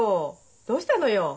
どうしたのよ。